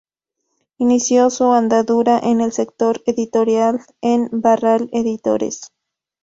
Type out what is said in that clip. Inició su andadura en el sector editorial en Barral Editores.